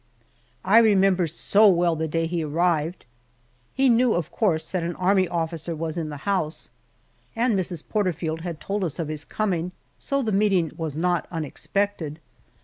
I remember so well the day he arrived. He knew, of course, that an army officer was in the house, and Mrs. Porterfield had told us of his coming, so the meeting was not unexpected.